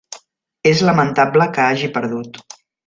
És lamentable que hagi perdut.